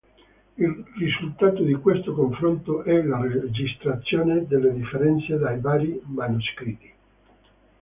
Il risultato di questo confronto è la registrazione delle differenze dei vari manoscritti.